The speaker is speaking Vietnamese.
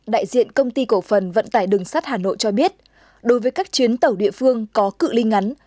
đại diện công ty cổ phần vận tải đường sắt hà nội cho biết đối với các chuyến tàu địa phương có cự li ngắn